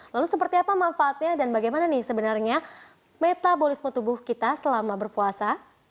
lalu seperti apa manfaatnya dan bagaimana nih sebenarnya metabolisme tubuh kita selama berpuasa